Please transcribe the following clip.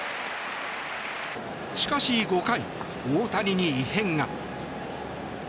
しかし、５回大谷に異変が。